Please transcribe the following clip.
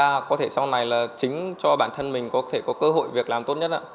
và có thể sau này là chính cho bản thân mình có thể có cơ hội việc làm tốt nhất ạ